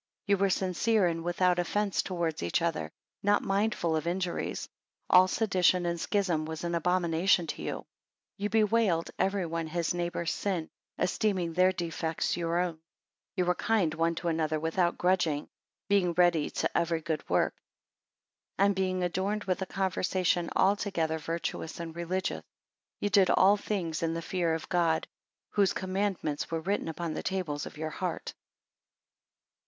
13 Ye were sincere, and without offence towards each other; not mindful of injuries; all sedition and schism was an abomination unto you. 14 Ye bewailed every one his neighbours' sins, esteeming their defects your own. 15 Ye were kind one to another without grudging; being ready to every good work. And being adorned with a conversation altogether virtuous and religious, ye did all things in the fear of God; whose I commandments were written upon the tables of your heart.